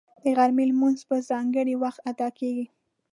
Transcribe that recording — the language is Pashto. د غرمې لمونځ په ځانګړي وخت ادا کېږي